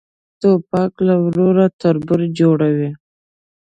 توپک له ورور تربور جوړوي.